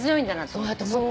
そうだと思った。